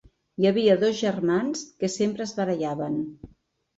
Hi havia dos germans que sempre es barallaven.